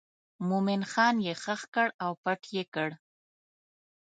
مومن خان یې ښخ کړ او پټ یې کړ.